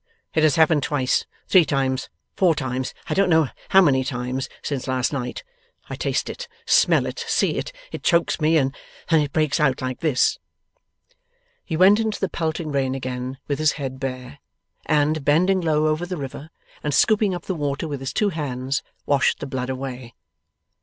It has happened twice three times four times I don't know how many times since last night. I taste it, smell it, see it, it chokes me, and then it breaks out like this.' He went into the pelting rain again with his head bare, and, bending low over the river, and scooping up the water with his two hands, washed the blood away.